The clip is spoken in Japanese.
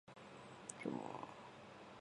今日は肌寒く上着が必要です。